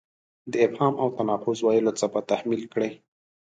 د ابهام او تناقض ویلو څپه تحمیل کړې.